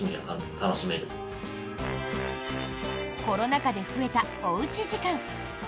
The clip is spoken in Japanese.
コロナ禍で増えたおうち時間。